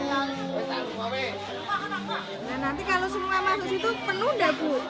nah nanti kalau semua masuk itu penuh enggak bu